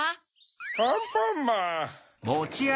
アンパンマン！